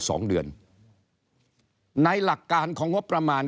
ก็จะมาจับทำเป็นพรบงบประมาณ